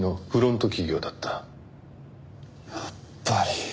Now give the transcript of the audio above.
やっぱり。